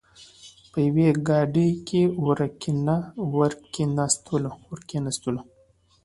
په یوې ګاډۍ کې ور کېناستلو.